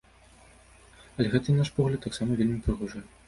Але гэта, на наш погляд, таксама вельмі прыгожая.